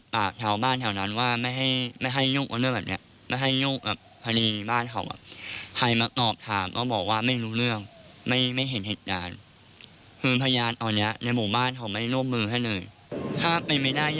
เป็นนักงานตอบตรวจนะครับ